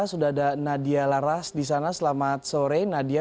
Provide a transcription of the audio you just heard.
sudah ada nadia laras di sana selamat sore nadia